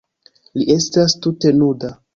Li estas tute nuda.